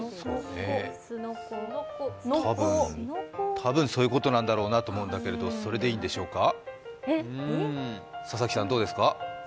多分そういうことなんだろうなと思うんですけどそれでいいんでしょうか？